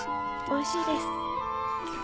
おいしいです。